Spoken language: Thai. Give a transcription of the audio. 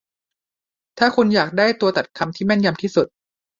ถ้าคุณอยากได้ตัวตัดคำที่แม่นยำที่สุด